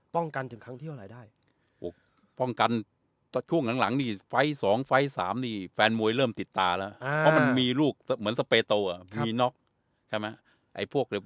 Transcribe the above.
ป้องกันถึงครั้งที่อะไรได้ป้องกันช่วงหลังนี่ไฟสองไฟสามนี่แฟนมวยเริ่มติดตาแล้วมันมีลูกเหมือนสเปตโตอ่ะมีน็อคใช่ไหมไอ้พวก